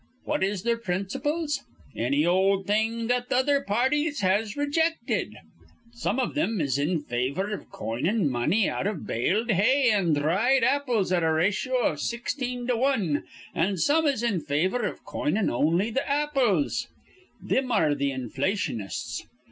What is their principles? Anny ol' thing that th' other pa arties has rijected. Some iv thim is in favor iv coining money out iv baled hay an' dhried apples at a ratio iv sixteen to wan, an' some is in favor iv coinin' on'y th' apples. Thim are th' inflationists.